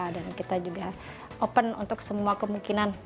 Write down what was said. dan kita juga open untuk semua kemungkinan